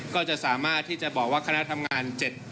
ก็จะสามารถที่จะบอกว่าคณะทำงาน๗